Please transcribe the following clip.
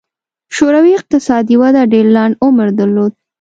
شوروي اقتصادي وده ډېر لنډ عمر درلود.